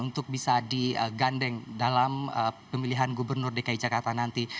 untuk bisa digandeng dalam pemilihan gubernur dki jakarta nanti